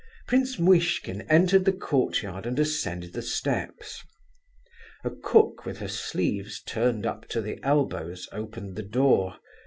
Prince Muishkin entered the court yard, and ascended the steps. A cook with her sleeves turned up to the elbows opened the door.